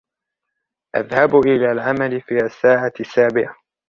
أذهب إلي العمل في الساعة السابعة.